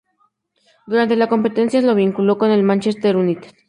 Durante la competencia se lo vinculó con el Manchester United.